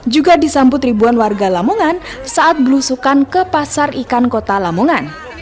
juga disambut ribuan warga lamongan saat belusukan ke pasar ikan kota lamongan